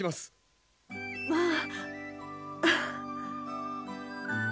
まあ。